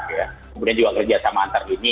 kemudian juga kerjasama antar dunia